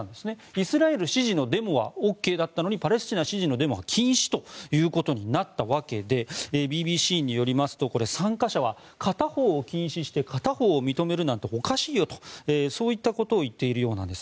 イスラエル支持のデモはＯＫだったのにパレスチナ支持のデモは禁止ということになったわけでＢＢＣによりますと参加者は片方を禁止して片方を認めるなんておかしいよとそういったことを言っているようなんです。